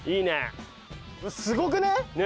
すごくね？